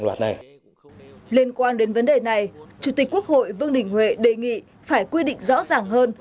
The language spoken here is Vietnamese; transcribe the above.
liên quan đến vấn đề này chủ tịch quốc hội vương đình huệ đề nghị phải quy định rõ ràng hơn